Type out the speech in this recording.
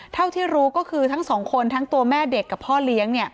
เท่าที่รู้ก็คือทั้งสองคนทั้งตัวแม่เด็กกับพ่อเลี้ยง